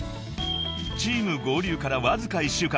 ［チーム合流からわずか１週間後］